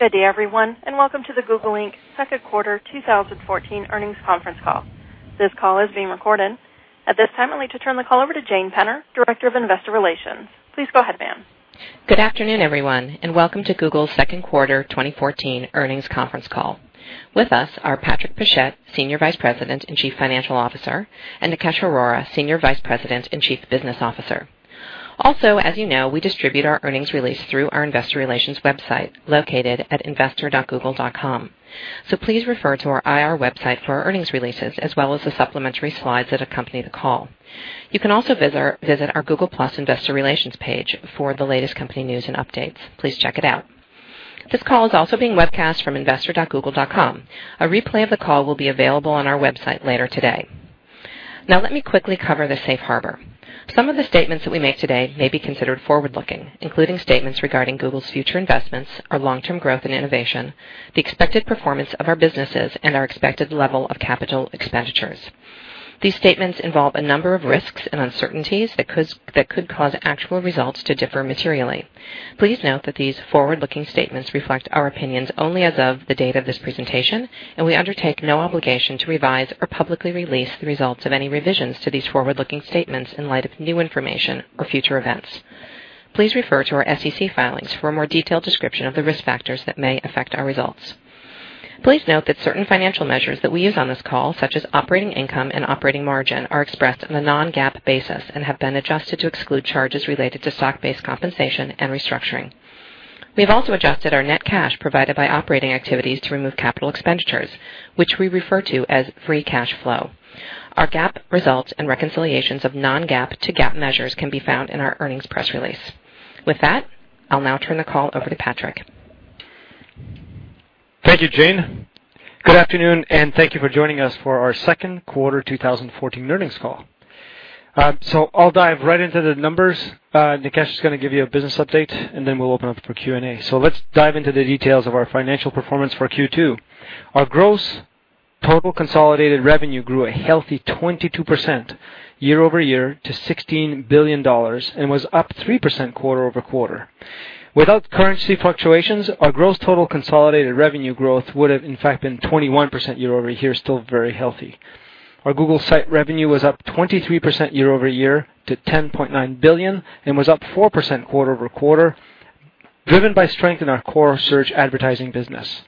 Good day, everyone, and welcome to the Google Inc. Second Quarter 2014 Earnings Conference Call. This call is being recorded. At this time, I'd like to turn the call over to Jane Penner, Director of Investor Relations. Please go ahead, ma'am. Good afternoon, everyone, and welcome to Google's Second Quarter 2014 Earnings Conference Call. With us are Patrick Pichette, Senior Vice President and Chief Financial Officer, and Nikesh Arora, Senior Vice President and Chief Business Officer. Also, as you know, we distribute our earnings release through our Investor Relations website located at investor.google.com. So please refer to our IR website for our earnings releases, as well as the supplementary slides that accompany the call. You can also visit our Google+ Investor Relations page for the latest company news and updates. Please check it out. This call is also being webcast from investor.google.com. A replay of the call will be available on our website later today. Now, let me quickly cover the safe harbor. Some of the statements that we make today may be considered forward-looking, including statements regarding Google's future investments, our long-term growth and innovation, the expected performance of our businesses, and our expected level of capital expenditures. These statements involve a number of risks and uncertainties that could cause actual results to differ materially. Please note that these forward-looking statements reflect our opinions only as of the date of this presentation, and we undertake no obligation to revise or publicly release the results of any revisions to these forward-looking statements in light of new information or future events. Please refer to our SEC filings for a more detailed description of the risk factors that may affect our results. Please note that certain financial measures that we use on this call, such as operating income and operating margin, are expressed on a non-GAAP basis and have been adjusted to exclude charges related to stock-based compensation and restructuring. We have also adjusted our net cash provided by operating activities to remove capital expenditures, which we refer to as free cash flow. Our GAAP results and reconciliations of non-GAAP to GAAP measures can be found in our earnings press release. With that, I'll now turn the call over to Patrick. Thank you, Jane. Good afternoon, and thank you for joining us for our Second Quarter 2014 Earnings Call. So I'll dive right into the numbers. Nikesh is going to give you a business update, and then we'll open up for Q&A. So let's dive into the details of our financial performance for Q2. Our gross total consolidated revenue grew a healthy 22% year over year to $16 billion and was up 3% quarter over quarter. Without currency fluctuations, our gross total consolidated revenue growth would have, in fact, been 21% year over year, still very healthy. Our Google Sites revenue was up 23% year over year to $10.9 billion and was up 4% quarter over quarter, driven by strength in our core search advertising business.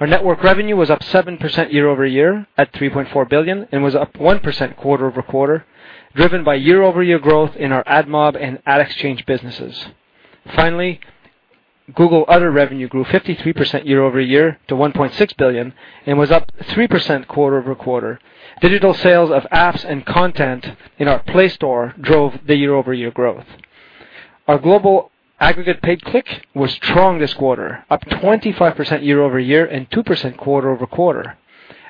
Our Network revenue was up 7% year over year at $3.4 billion and was up 1% quarter over quarter, driven by year over year growth in our AdMob and Ad Exchange businesses. Finally, Google Other revenue grew 53% year over year to $1.6 billion and was up 3% quarter over quarter. Digital sales of apps and content in our Play Store drove the year over year growth. Our global aggregate paid click was strong this quarter, up 25% year over year and 2% quarter over quarter.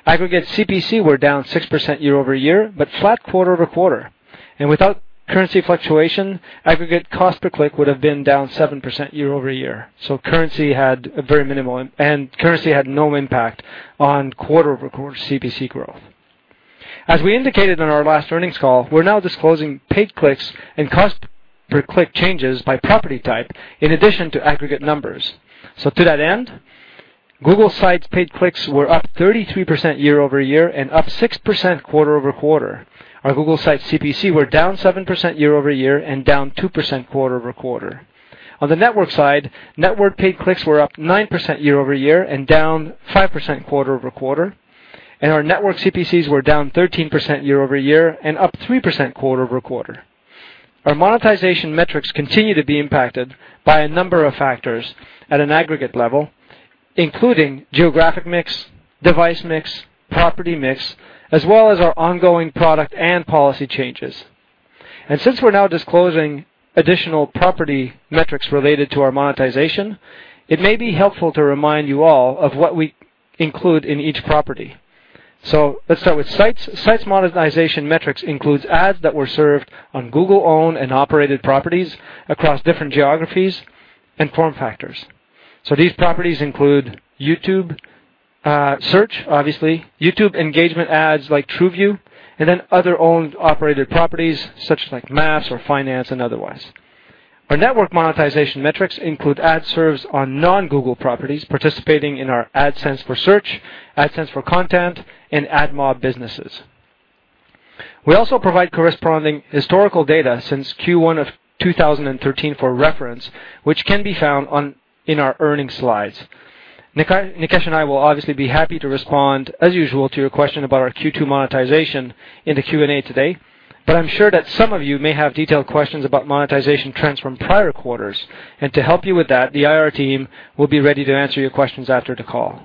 Aggregate CPC were down 6% year over year, but flat quarter over quarter, and without currency fluctuation, aggregate cost per click would have been down 7% year over year. Currency had very minimal, and currency had no impact on quarter over quarter CPC growth. As we indicated on our last earnings call, we're now disclosing paid clicks and cost per click changes by property type in addition to aggregate numbers. So to that end, Google sites paid clicks were up 33% year over year and up 6% quarter over quarter. Our Google Sites CPC were down 7% year over year and down 2% quarter over quarter. On the network side, network paid clicks were up 9% year over year and down 5% quarter over quarter. And our network CPCs were down 13% year over year and up 3% quarter over quarter. Our monetization metrics continue to be impacted by a number of factors at an aggregate level, including geographic mix, device mix, property mix, as well as our ongoing product and policy changes. Since we're now disclosing additional property metrics related to our monetization, it may be helpful to remind you all of what we include in each property. Let's start with sites. Sites monetization metrics include ads that were served on Google-owned and operated properties across different geographies and form factors. These properties include YouTube search, obviously, YouTube engagement ads like TrueView, and then other owned operated properties such as Maps or Finance and otherwise. Our network monetization metrics include ads served on non-Google properties participating in our AdSense for Search, AdSense for Content, and AdMob businesses. We also provide corresponding historical data since Q1 of 2013 for reference, which can be found in our earnings slides. Nikesh and I will obviously be happy to respond, as usual, to your question about our Q2 monetization in the Q&A today. I'm sure that some of you may have detailed questions about monetization trends from prior quarters. To help you with that, the IR team will be ready to answer your questions after the call.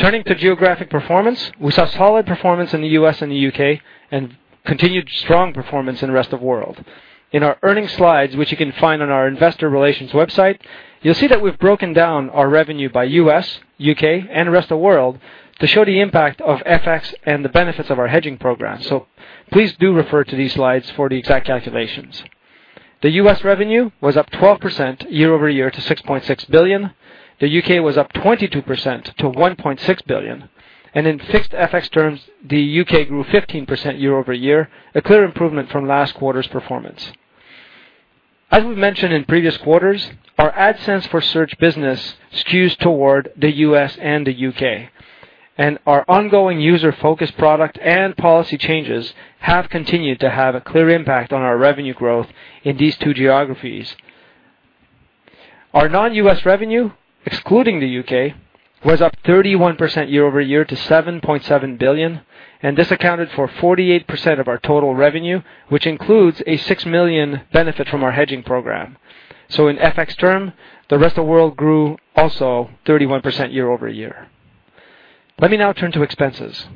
Turning to geographic performance, we saw solid performance in the U.S. and the U.K. and continued strong performance in the rest of the world. In our earnings slides, which you can find on our Investor Relations website, you'll see that we've broken down our revenue by U.S., U.K., and rest of the world to show the impact of FX and the benefits of our hedging program. Please do refer to these slides for the exact calculations. The U.S. revenue was up 12% year over year to $6.6 billion. The U.K. was up 22% to $1.6 billion. In fixed FX terms, the U.K. grew 15% year over year, a clear improvement from last quarter's performance. As we've mentioned in previous quarters, our AdSense for Search business skews toward the U.S. and the U.K. Our ongoing user-focused product and policy changes have continued to have a clear impact on our revenue growth in these two geographies. Our non-U.S. revenue, excluding the U.K., was up 31% year over year to $7.7 billion. This accounted for 48% of our total revenue, which includes a $6 million benefit from our hedging program. In FX terms, the rest of the world grew also 31% year over year. Let me now turn to expenses.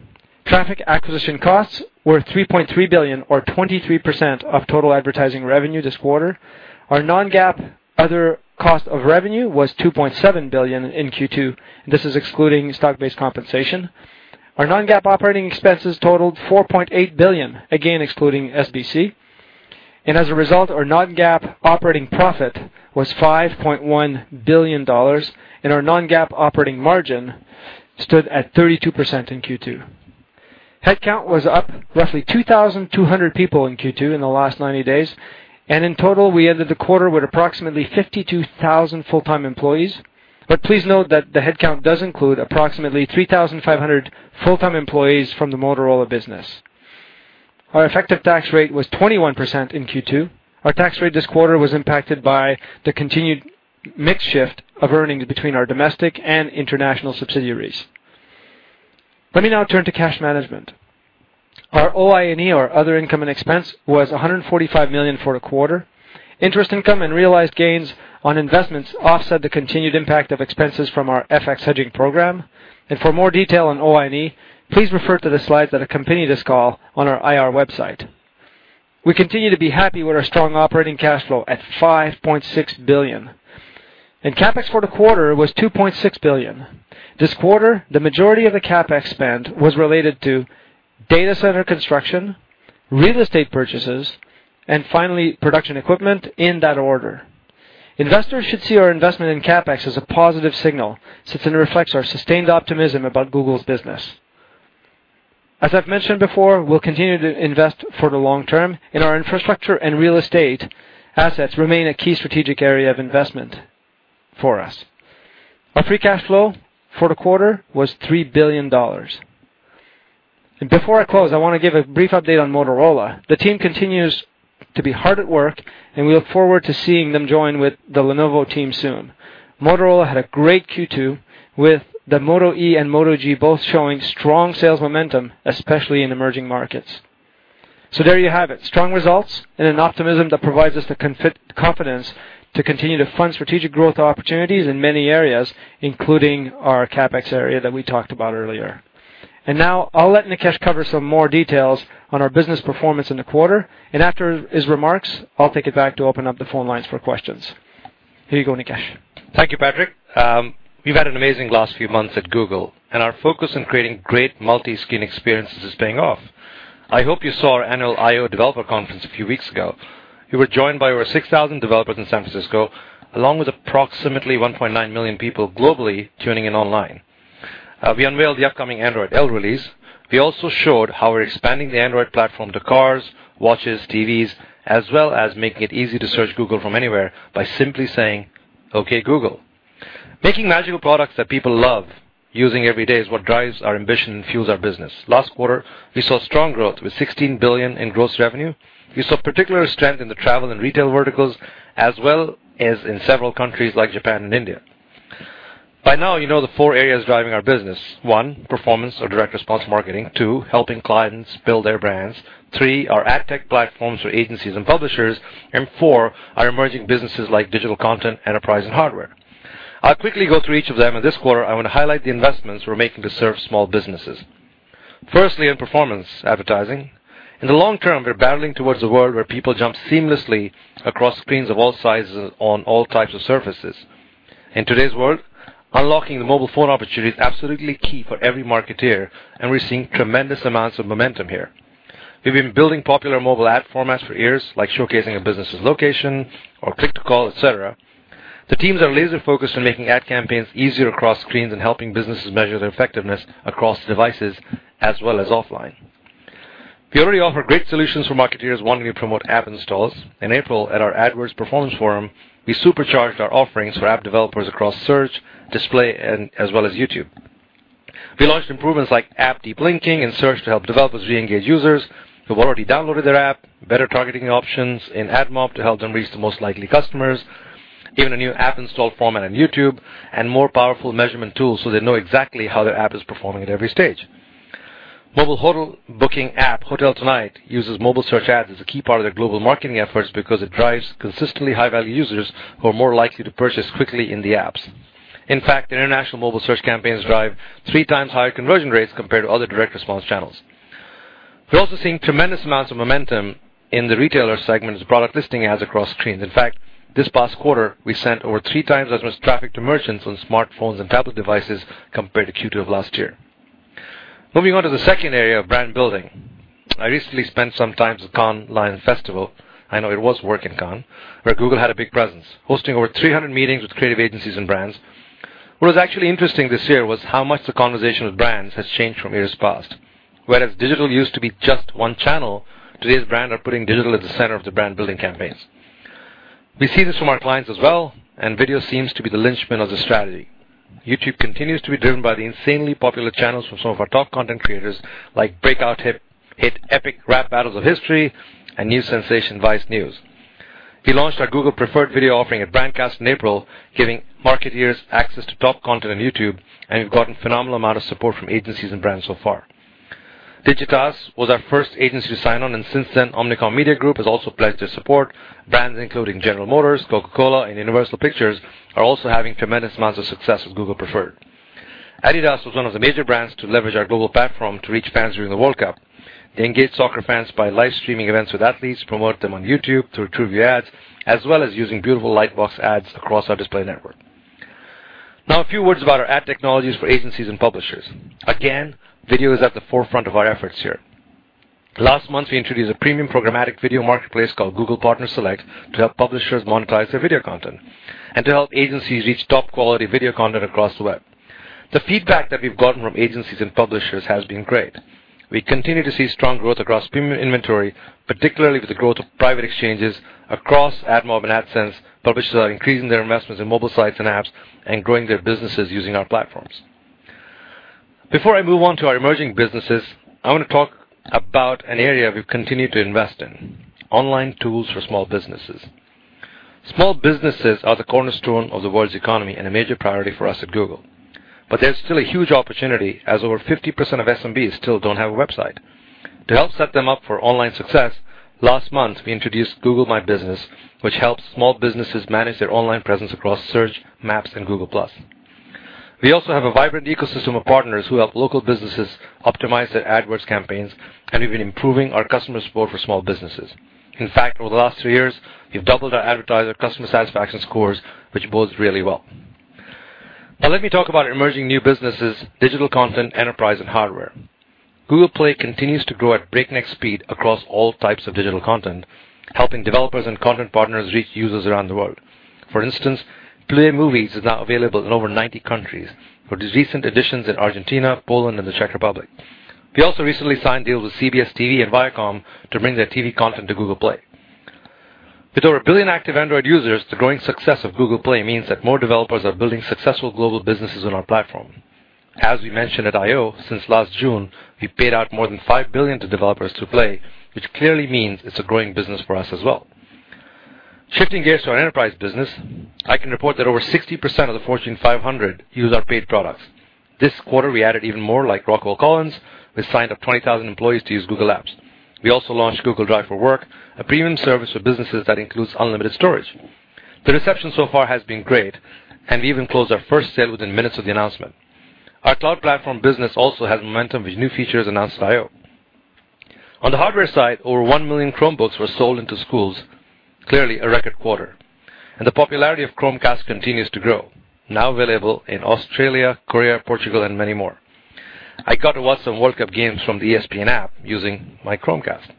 Traffic acquisition costs were $3.3 billion, or 23% of total advertising revenue this quarter. Our Non-GAAP other cost of revenue was $2.7 billion in Q2. This is excluding stock-based compensation. Our non-GAAP operating expenses totaled $4.8 billion, again excluding SBC. And as a result, our non-GAAP operating profit was $5.1 billion. And our non-GAAP operating margin stood at 32% in Q2. Headcount was up roughly 2,200 people in Q2 in the last 90 days. And in total, we ended the quarter with approximately 52,000 full-time employees. But please note that the headcount does include approximately 3,500 full-time employees from the Motorola business. Our effective tax rate was 21% in Q2. Our tax rate this quarter was impacted by the continued mix shift of earnings between our domestic and international subsidiaries. Let me now turn to cash management. Our OI&E, or other income and expense, was $145 million for the quarter. Interest income and realized gains on investments offset the continued impact of expenses from our FX hedging program. For more detail on OI&E, please refer to the slides that accompany this call on our IR website. We continue to be happy with our strong operating cash flow at $5.6 billion. CapEx for the quarter was $2.6 billion. This quarter, the majority of the CapEx spend was related to data center construction, real estate purchases, and finally, production equipment in that order. Investors should see our investment in CapEx as a positive signal since it reflects our sustained optimism about Google's business. As I've mentioned before, we'll continue to invest for the long term. Our infrastructure and real estate assets remain a key strategic area of investment for us. Our free cash flow for the quarter was $3 billion. Before I close, I want to give a brief update on Motorola. The team continues to be hard at work, and we look forward to seeing them join with the Lenovo team soon. Motorola had a great Q2, with the Moto E and Moto G both showing strong sales momentum, especially in emerging markets. So there you have it: strong results and an optimism that provides us the confidence to continue to fund strategic growth opportunities in many areas, including our CapEx area that we talked about earlier. And now, I'll let Nikesh cover some more details on our business performance in the quarter. And after his remarks, I'll take it back to open up the phone lines for questions. Here you go, Nikesh. Thank you, Patrick. We've had an amazing last few months at Google. Our focus on creating great multi-screen experiences is paying off. I hope you saw our annual I/O Developer Conference a few weeks ago. We were joined by over 6,000 developers in San Francisco, along with approximately 1.9 million people globally tuning in online. We unveiled the upcoming Android L release. We also showed how we're expanding the Android platform to cars, watches, TVs, as well as making it easy to search Google from anywhere by simply saying, "OK, Google." Making magical products that people love using every day is what drives our ambition and fuels our business. Last quarter, we saw strong growth with $16 billion in gross revenue. We saw particular strength in the travel and retail verticals, as well as in several countries like Japan and India. By now, you know the four areas driving our business: one, performance or direct response marketing, two, helping clients build their brands, three, our ad tech platforms for agencies and publishers, and four, our emerging businesses like digital content, enterprise, and hardware. I'll quickly go through each of them. And this quarter, I want to highlight the investments we're making to serve small businesses. Firstly, on performance advertising. In the long term, we're building towards a world where people jump seamlessly across screens of all sizes on all types of surfaces. In today's world, unlocking the mobile phone opportunity is absolutely key for every marketer. And we're seeing tremendous amounts of momentum here. We've been building popular mobile ad formats for years, like showcasing a business's location or click to call, et cetera. The teams are laser-focused on making ad campaigns easier across screens and helping businesses measure their effectiveness across devices as well as offline. We already offer great solutions for marketeers wanting to promote app installs. In April, at our AdWords Performance Forum, we supercharged our offerings for app developers across search, Display, and as well as YouTube. We launched improvements like app deep linking and search to help developers re-engage users who've already downloaded their app, better targeting options in AdMob to help them reach the most likely customers, even a new app install format on YouTube, and more powerful measurement tools so they know exactly how their app is performing at every stage. Mobile hotel booking app HotelTonight uses mobile search ads as a key part of their global marketing efforts because it drives consistently high-value users who are more likely to purchase quickly in the apps. In fact, international mobile search campaigns drive three times higher conversion rates compared to other direct response channels. We're also seeing tremendous amounts of momentum in the retailer segment with Product Listing Ads across screens. In fact, this past quarter, we sent over three times as much traffic to merchants on smartphones and tablet devices compared to Q2 of last year. Moving on to the second area of brand building, I recently spent some time at the Cannes Lions Festival. I know it was work in Cannes where Google had a big presence, hosting over 300 meetings with creative agencies and brands. What was actually interesting this year was how much the conversation with brands has changed from years past. Whereas digital used to be just one channel, today's brands are putting digital at the center of the brand building campaigns. We see this from our clients as well. Video seems to be the linchpin of the strategy. YouTube continues to be driven by the insanely popular channels from some of our top content creators, like breakout hit Epic Rap Battles of History and new sensation Vice News. We launched our Google Preferred video offering at Brandcast in April, giving marketers access to top content on YouTube. We've gotten a phenomenal amount of support from agencies and brands so far. Digitas was our first agency to sign on. Since then, Omnicom Media Group has also pledged their support. Brands including General Motors, Coca-Cola, and Universal Pictures are also having tremendous amounts of success with Google Preferred. Adidas was one of the major brands to leverage our global platform to reach fans during the World Cup. They engage soccer fans by live streaming events with athletes, promote them on YouTube through TrueView ads, as well as using beautiful Lightbox ads across our Display Network. Now, a few words about our ad technologies for agencies and publishers. Again, video is at the forefront of our efforts here. Last month, we introduced a premium programmatic video marketplace called Google Partner Select to help publishers monetize their video content and to help agencies reach top-quality video content across the web. The feedback that we've gotten from agencies and publishers has been great. We continue to see strong growth across premium inventory, particularly with the growth of private exchanges across AdMob and AdSense. Publishers are increasing their investments in mobile sites and apps and growing their businesses using our platforms. Before I move on to our emerging businesses, I want to talk about an area we've continued to invest in: online tools for small businesses. Small businesses are the cornerstone of the world's economy and a major priority for us at Google. But there's still a huge opportunity, as over 50% of SMBs still don't have a website. To help set them up for online success, last month, we introduced Google My Business, which helps small businesses manage their online presence across Search, Maps, and Google+. We also have a vibrant ecosystem of partners who help local businesses optimize their AdWords campaigns. And we've been improving our customer support for small businesses. In fact, over the last three years, we've doubled our advertiser customer satisfaction scores, which bodes really well. Now, let me talk about emerging new businesses, digital content, enterprise, and hardware. Google Play continues to grow at breakneck speed across all types of digital content, helping developers and content partners reach users around the world. For instance, Play Movies is now available in over 90 countries with recent additions in Argentina, Poland, and the Czech Republic. We also recently signed deals with CBS TV and Viacom to bring their TV content to Google Play. With over a billion active Android users, the growing success of Google Play means that more developers are building successful global businesses on our platform. As we mentioned at I/O, since last June, we paid out more than $5 billion to developers through Play, which clearly means it's a growing business for us as well. Shifting gears to our enterprise business, I can report that over 60% of the Fortune 500 use our paid products. This quarter, we added even more, like Rockwell Collins, who signed up 20,000 employees to use Google Apps. We also launched Google Drive for Work, a premium service for businesses that includes unlimited storage. The reception so far has been great, and we even closed our first sale within minutes of the announcement. Our cloud platform business also has momentum with new features announced at I/O. On the hardware side, over one million Chromebooks were sold into schools, clearly a record quarter, and the popularity of Chromecast continues to grow, now available in Australia, Korea, Portugal, and many more. I got to watch some World Cup games from the ESPN app using my Chromecast.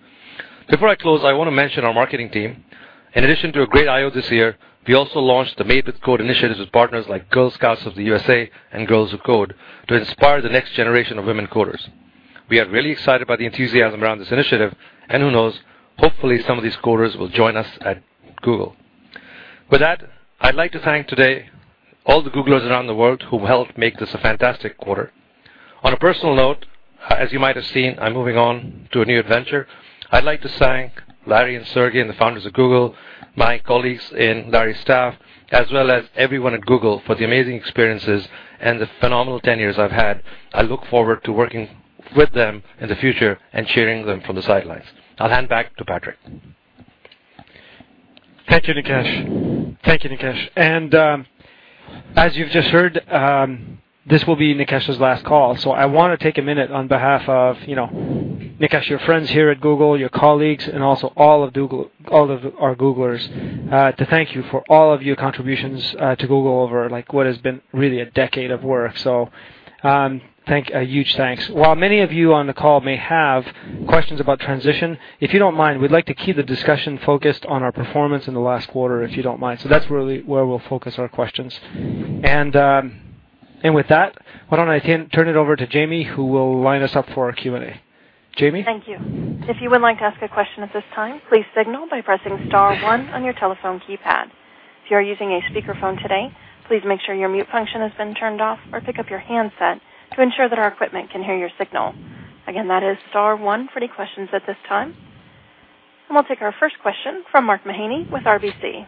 Before I close, I want to mention our marketing team. In addition to a great I/O this year, we also launched the Made with Code initiative with partners like Girl Scouts of the USA and Girls Who Code to inspire the next generation of women coders. We are really excited by the enthusiasm around this initiative, and who knows? Hopefully, some of these coders will join us at Google. With that, I'd like to thank today all the Googlers around the world who helped make this a fantastic quarter. On a personal note, as you might have seen, I'm moving on to a new adventure. I'd like to thank Larry and Sergey, the founders of Google, my colleagues in Larry's staff, as well as everyone at Google for the amazing experiences and the phenomenal 10 years I've had. I look forward to working with them in the future and sharing them from the sidelines. I'll hand back to Patrick. Thank you, Nikesh. Thank you, Nikesh. And as you've just heard, this will be Nikesh's last call. So I want to take a minute on behalf of Nikesh, your friends here at Google, your colleagues, and also all of our Googlers to thank you for all of your contributions to Google over what has been really a decade of work. So a huge thanks. While many of you on the call may have questions about transition, if you don't mind, we'd like to keep the discussion focused on our performance in the last quarter, if you don't mind. So that's really where we'll focus our questions. And with that, why don't I turn it over to Jamie, who will line us up for our Q&A. Jamie? Thank you. If you would like to ask a question at this time, please signal by pressing Star 1 on your telephone keypad. If you are using a speakerphone today, please make sure your mute function has been turned off or pick up your handset to ensure that our equipment can hear your signal. Again, that is Star 1 for any questions at this time, and we'll take our first question from Mark Mahaney with RBC.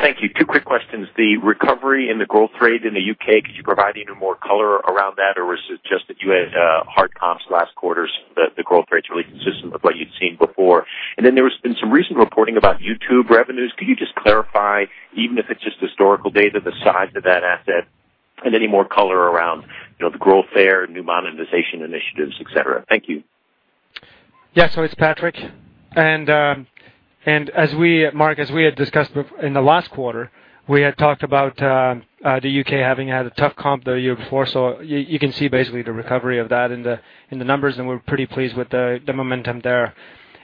Thank you. Two quick questions. The recovery in the growth rate in the U.K., could you provide even more color around that? Or was it just that you had hard times last quarter? The growth rate's really consistent with what you'd seen before. And then there has been some recent reporting about YouTube revenues. Could you just clarify, even if it's just historical data, the size of that asset? And any more color around the growth there, new monetization initiatives, et cetera? Thank you. Yeah, so it's Patrick. And as we, Mark, as we had discussed in the last quarter, we had talked about the U.K. having had a tough comp the year before. So you can see basically the recovery of that in the numbers. And we're pretty pleased with the momentum there.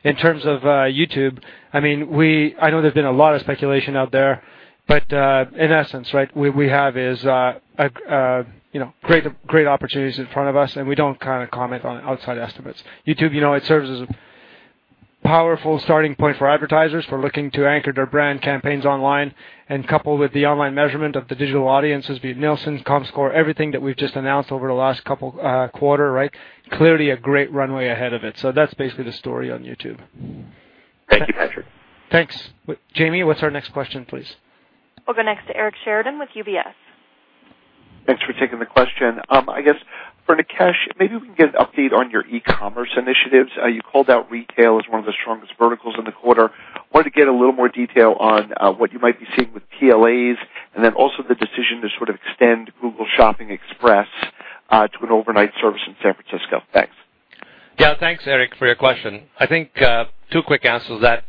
In terms of YouTube, I mean, I know there's been a lot of speculation out there. But in essence, right, what we have is great opportunities in front of us. And we don't kind of comment on outside estimates. YouTube, you know, it serves as a powerful starting point for advertisers for looking to anchor their brand campaigns online. And coupled with the online measurement of the digital audiences via Nielsen, comScore, everything that we've just announced over the last couple of quarters, right, clearly a great runway ahead of it. So that's basically the story on YouTube. Thank you, Patrick. Thanks. Jamie, what's our next question, please? We'll go next to Eric Sheridan with UBS. Thanks for taking the question. I guess for Nikesh, maybe we can get an update on your e-commerce initiatives. You called out retail as one of the strongest verticals in the quarter. I wanted to get a little more detail on what you might be seeing with PLAs and then also the decision to sort of extend Google Shopping Express to an overnight service in San Francisco. Thanks. Yeah, thanks, Eric, for your question. I think two quick answers to that.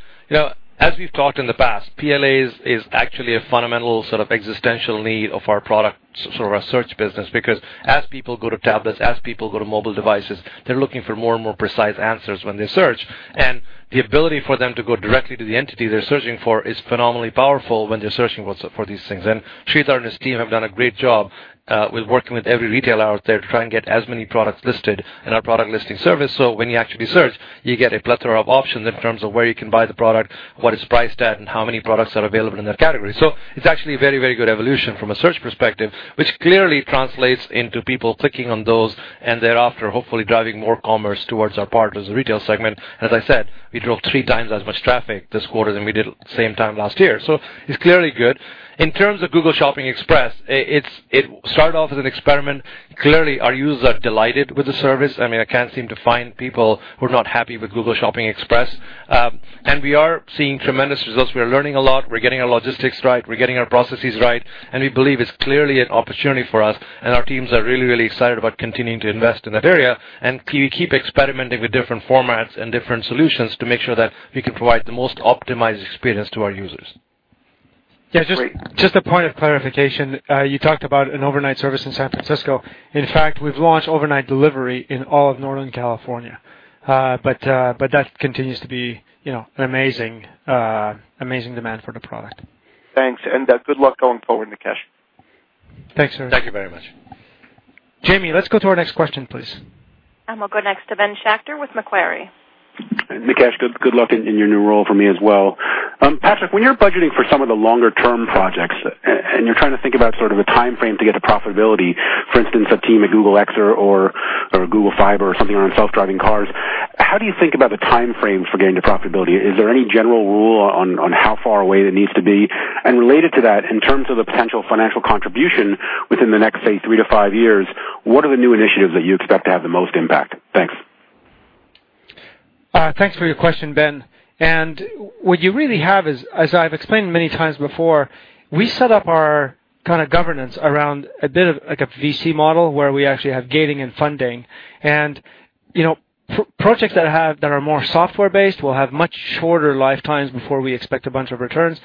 As we've talked in the past, PLAs is actually a fundamental sort of existential need of our product, sort of our Search business. Because as people go to tablets, as people go to mobile devices, they're looking for more and more precise answers when they search. And the ability for them to go directly to the entity they're searching for is phenomenally powerful when they're searching for these things. And Sridhar and his team have done a great job with working with every retailer out there to try and get as many products listed in our product listing service. So when you actually Search, you get a plethora of options in terms of where you can buy the product, what it's priced at, and how many products are available in that category. So it's actually a very, very good evolution from a Search perspective, which clearly translates into people clicking on those and thereafter, hopefully, driving more commerce towards our partners in the retail segment. As I said, we drove three times as much traffic this quarter than we did at the same time last year. So it's clearly good. In terms of Google Shopping Express, it started off as an experiment. Clearly, our users are delighted with the service. I mean, I can't seem to find people who are not happy with Google Shopping Express. And we are seeing tremendous results. We are learning a lot. We're getting our logistics right. We're getting our processes right. And we believe it's clearly an opportunity for us. And our teams are really, really excited about continuing to invest in that area. We keep experimenting with different formats and different solutions to make sure that we can provide the most optimized experience to our users. Yeah, just a point of clarification. You talked about an overnight service in San Francisco. In fact, we've launched overnight delivery in all of Northern California. But that continues to be an amazing demand for the product. Thanks and good luck going forward, Nikesh. Thanks, Sir. Thank you very much. Jamie, let's go to our next question, please. I'll go next to Ben Schachter with Macquarie. Nikesh, good luck in your new role for me as well. Patrick, when you're budgeting for some of the longer-term projects and you're trying to think about sort of a time frame to get to profitability, for instance, a team at Google X or Google Fiber or something around self-driving cars, how do you think about the time frame for getting to profitability? Is there any general rule on how far away it needs to be? And related to that, in terms of the potential financial contribution within the next, say, three to five years, what are the new initiatives that you expect to have the most impact? Thanks. Thanks for your question, Ben. And what you really have, as I've explained many times before, we set up our kind of governance around a bit of like a VC model where we actually have gating and funding. And projects that are more software-based will have much shorter lifetimes before we expect a bunch of returns.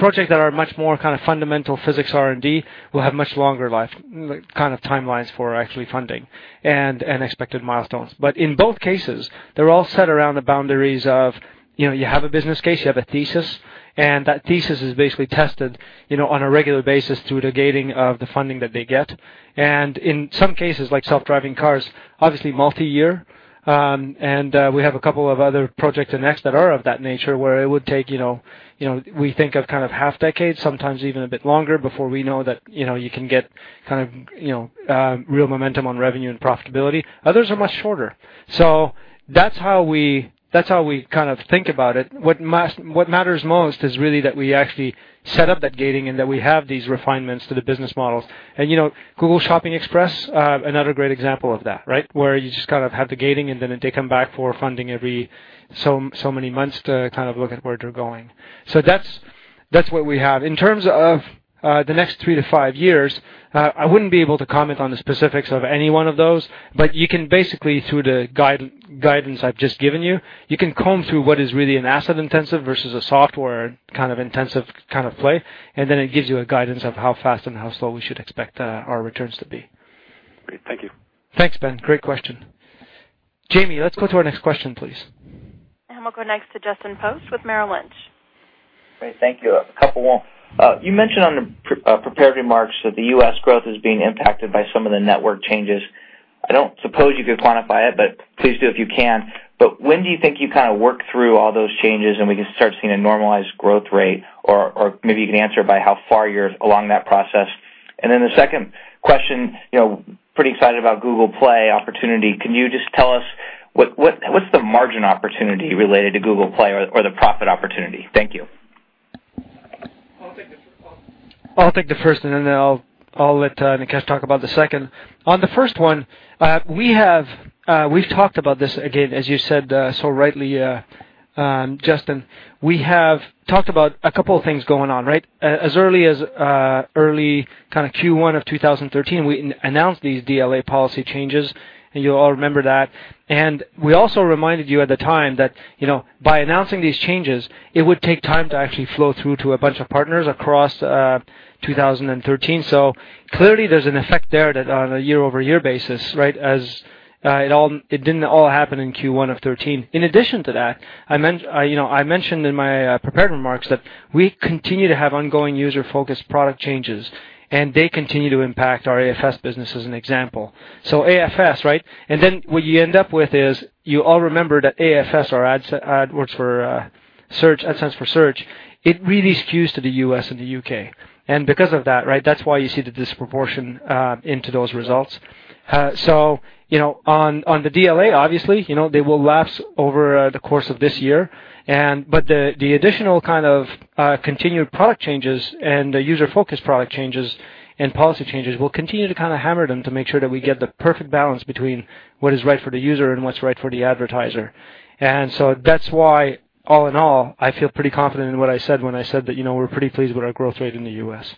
Projects that are much more kind of fundamental physics R&D will have much longer kind of timelines for actually funding and expected milestones. But in both cases, they're all set around the boundaries of you have a business case, you have a thesis. And that thesis is basically tested on a regular basis through the gating of the funding that they get. And in some cases, like self-driving cars, obviously multi-year. We have a couple of other projects and apps that are of that nature where it would take, we think, of kind of half decades, sometimes even a bit longer before we know that you can get kind of real momentum on revenue and profitability. Others are much shorter. That's how we kind of think about it. What matters most is really that we actually set up that gating and that we have these refinements to the business models. Google Shopping Express, another great example of that, right, where you just kind of have the gating and then they come back for funding every so many months to kind of look at where they're going. That's what we have. In terms of the next three to five years, I wouldn't be able to comment on the specifics of any one of those. But you can basically, through the guidance I've just given you, you can comb through what is really an asset intensive versus a software kind of intensive kind of play, and then it gives you a guidance of how fast and how slow we should expect our returns to be. Great. Thank you. Thanks, Ben. Great question. Jamie, let's go to our next question, please. I'll go next to Justin Post with Merrill Lynch. Great. Thank you. A couple more. You mentioned on the prepared remarks that the U.S. growth is being impacted by some of the network changes. I don't suppose you could quantify it, but please do if you can. But when do you think you kind of work through all those changes and we can start seeing a normalized growth rate? Or maybe you can answer by how far you're along that process. And then the second question, pretty excited about Google Play opportunity. Can you just tell us what's the margin opportunity related to Google Play or the profit opportunity? Thank you. I'll take the first. And then I'll let Nikesh talk about the second. On the first one, we've talked about this again, as you said so rightly, Justin. We have talked about a couple of things going on, right? As early as early kind of Q1 of 2013, we announced these DLA policy changes. And you'll all remember that. And we also reminded you at the time that by announcing these changes, it would take time to actually flow through to a bunch of partners across 2013. So clearly, there's an effect there that on a year-over-year basis, right, it didn't all happen in Q1 of 2013. In addition to that, I mentioned in my prepared remarks that we continue to have ongoing user-focused product changes. And they continue to impact our AFS business as an example. So AFS, right? And then what you end up with is you all remember that AFS, our AdWords for Search, AdSense for Search. It really skews to the U.S. and the U.K. And because of that, right, that's why you see the disproportion into those results. So on the DLA, obviously, they will lapse over the course of this year. But the additional kind of continued product changes and the user-focused product changes and policy changes will continue to kind of hammer them to make sure that we get the perfect balance between what is right for the user and what's right for the advertiser. And so that's why, all in all, I feel pretty confident in what I said when I said that we're pretty pleased with our growth rate in the U.S.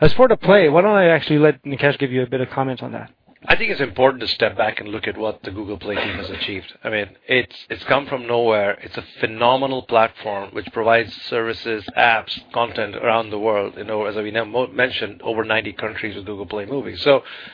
As for the play, why don't I actually let Nikesh give you a bit of comment on that? I think it's important to step back and look at what the Google Play team has achieved. I mean, it's come from nowhere. It's a phenomenal platform which provides services, apps, content around the world. As we mentioned, over 90 countries with Google Play Movies.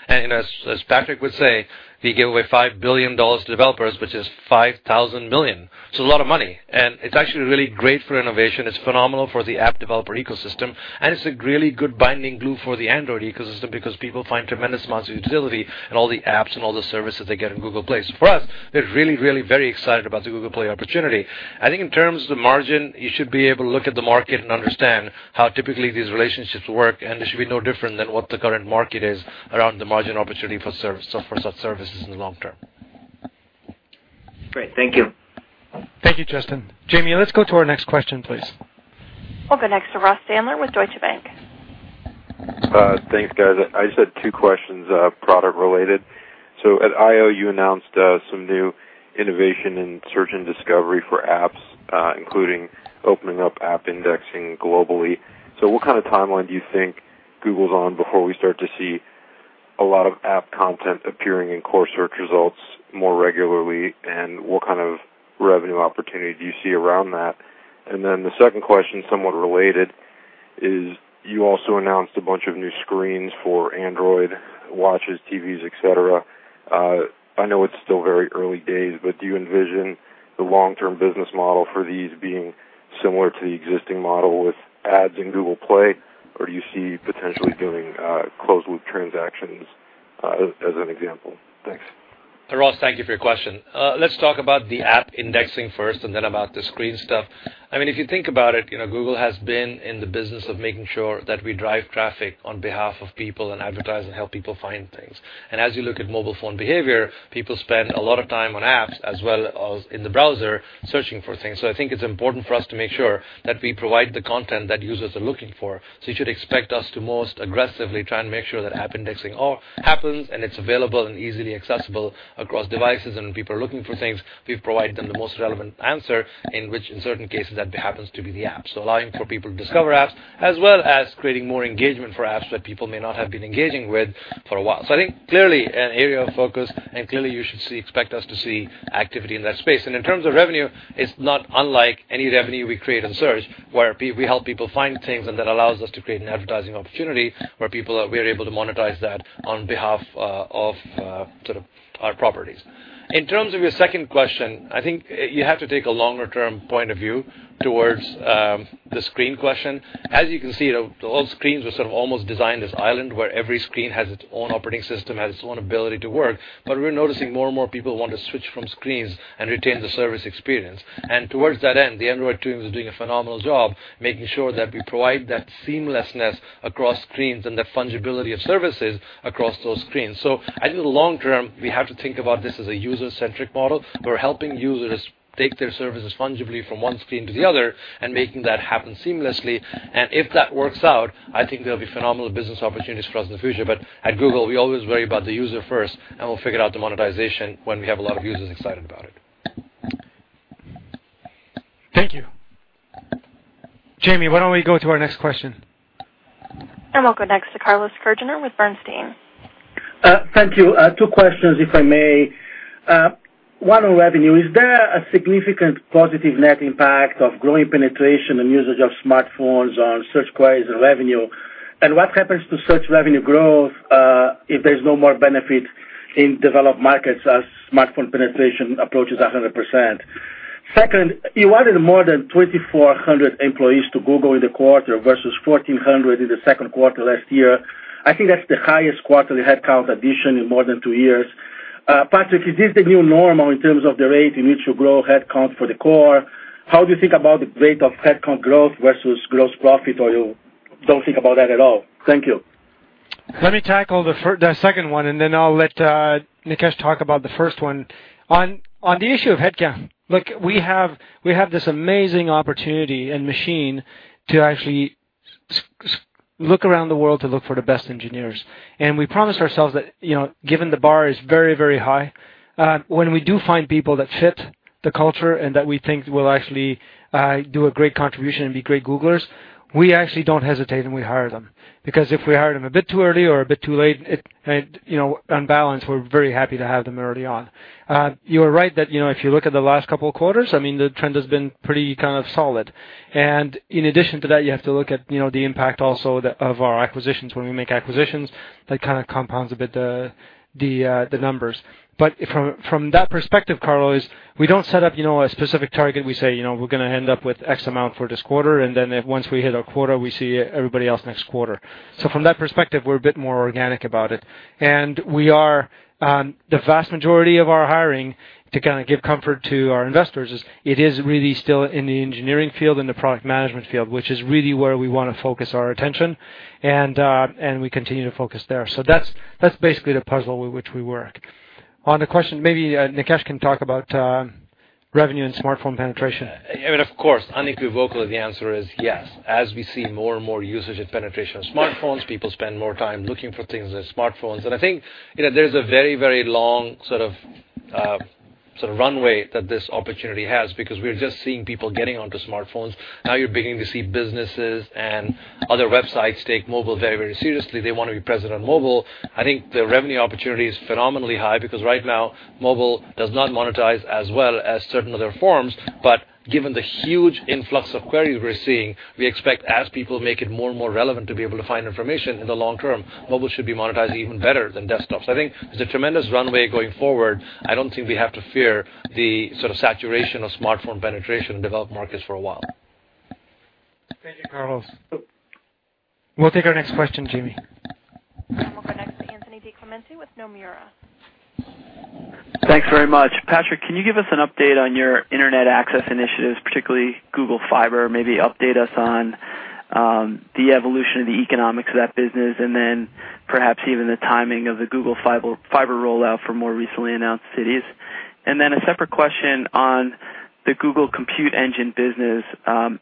And as Patrick would say, we give away $5 billion to developers, which is $5,000 million. So it's a lot of money. And it's actually really great for innovation. It's phenomenal for the app developer ecosystem. And it's a really good binding glue for the Android ecosystem because people find tremendous amounts of utility in all the apps and all the services they get in Google Play. So for us, we're really, really very excited about the Google Play opportunity. I think in terms of the margin, you should be able to look at the market and understand how typically these relationships work. It should be no different than what the current market is around the margin opportunity for such services in the long term. Great. Thank you. Thank you, Justin. Jamie, let's go to our next question, please. We'll go next to Ross Sandler with Deutsche Bank. Thanks, guys. I just had two questions product-related. So at I/O, you announced some new innovation in search and discovery for apps, including opening up app indexing globally. So what kind of timeline do you think Google's on before we start to see a lot of app content appearing in core search results more regularly? And what kind of revenue opportunity do you see around that? And then the second question, somewhat related, is you also announced a bunch of new screens for Android watches, TVs, et cetera. I know it's still very early days, but do you envision the long-term business model for these being similar to the existing model with ads in Google Play? Or do you see potentially doing closed-loop transactions as an example? Thanks. So Ross, thank you for your question. Let's talk about the app indexing first and then about the screen stuff. I mean, if you think about it, Google has been in the business of making sure that we drive traffic on behalf of people and advertise and help people find things. And as you look at mobile phone behavior, people spend a lot of time on apps as well as in the browser searching for things. So I think it's important for us to make sure that we provide the content that users are looking for. So you should expect us to most aggressively try and make sure that app indexing happens and it's available and easily accessible across devices. And when people are looking for things, we provide them the most relevant answer in which, in certain cases, that happens to be the app. So allowing for people to discover apps as well as creating more engagement for apps that people may not have been engaging with for a while. So I think clearly an area of focus. And clearly, you should expect us to see activity in that space. And in terms of revenue, it's not unlike any revenue we create in search where we help people find things. And that allows us to create an advertising opportunity where we are able to monetize that on behalf of sort of our properties. In terms of your second question, I think you have to take a longer-term point of view towards the screen question. As you can see, the old screens were sort of almost designed as islands where every screen has its own operating system, has its own ability to work. But we're noticing more and more people want to switch from screens and retain the service experience. And towards that end, the Android team is doing a phenomenal job making sure that we provide that seamlessness across screens and the fungibility of services across those screens. So I think long-term, we have to think about this as a user-centric model where we're helping users take their services fungibly from one screen to the other and making that happen seamlessly. And if that works out, I think there'll be phenomenal business opportunities for us in the future. But at Google, we always worry about the user first. And we'll figure out the monetization when we have a lot of users excited about it. Thank you. Jamie, why don't we go to our next question? And we'll go next to Carlos Kirjner with Bernstein. Thank you. Two questions, if I may. One on revenue. Is there a significant positive net impact of growing penetration and usage of smartphones on search queries and revenue? And what happens to search revenue growth if there's no more benefit in developed markets as smartphone penetration approaches 100%? Second, you added more than 2,400 employees to Google in the quarter versus 1,400 in the second quarter last year. I think that's the highest quarterly headcount addition in more than two years. Patrick, is this the new normal in terms of the rate in which you grow headcount for the core? How do you think about the rate of headcount growth versus gross profit? Or you don't think about that at all? Thank you. Let me tackle the second one. And then I'll let Nikesh talk about the first one. On the issue of headcount, look, we have this amazing opportunity and machine to actually look around the world to look for the best engineers. And we promised ourselves that given the bar is very, very high, when we do find people that fit the culture and that we think will actually do a great contribution and be great Googlers, we actually don't hesitate and we hire them. Because if we hire them a bit too early or a bit too late and unbalanced, we're very happy to have them early on. You're right that if you look at the last couple of quarters, I mean, the trend has been pretty kind of solid. And in addition to that, you have to look at the impact also of our acquisitions when we make acquisitions. That kind of compounds a bit the numbers. But from that perspective, Carlos, we don't set up a specific target. We say, "We're going to end up with X amount for this quarter." And then once we hit our quarter, we see everybody else next quarter. So from that perspective, we're a bit more organic about it. And the vast majority of our hiring, to kind of give comfort to our investors, is, it is really still in the engineering field and the product management field, which is really where we want to focus our attention. And we continue to focus there. So that's basically the puzzle with which we work. On the question, maybe Nikesh can talk about revenue and smartphone penetration. I mean, of course, unequivocally, the answer is yes. As we see more and more usage and penetration of smartphones, people spend more time looking for things in smartphones. And I think there's a very, very long sort of runway that this opportunity has because we're just seeing people getting onto smartphones. Now you're beginning to see businesses and other websites take mobile very, very seriously. They want to be present on mobile. I think the revenue opportunity is phenomenally high because right now, mobile does not monetize as well as certain other forms. But given the huge influx of queries we're seeing, we expect as people make it more and more relevant to be able to find information in the long term, mobile should be monetizing even better than desktops. I think it's a tremendous runway going forward. I don't think we have to fear the sort of saturation of smartphone penetration in developed markets for a while. Thank you, Carlos. We'll take our next question, Jamie. We'll go next to Anthony DiClemente with Nomura. Thanks very much. Patrick, can you give us an update on your internet access initiatives, particularly Google Fiber? Maybe update us on the evolution of the economics of that business and then perhaps even the timing of the Google Fiber rollout for more recently announced cities. And then a separate question on the Google Compute Engine business.